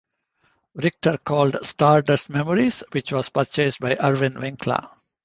Richter called "Stardust Memories" which was purchased by Irwin Winkler.